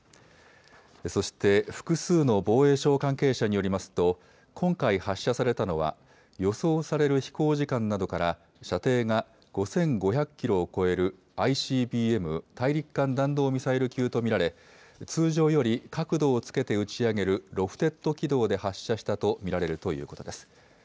そして複数の防衛省関係者によりますと今回発射されたのは予想される飛行時間などから射程が５５００キロを超えるＩＣＢＭ・大陸間弾道ミサイル級と見られ通常より角度をつけて打ち上げるロフテッド軌道で発射したと見られるということです。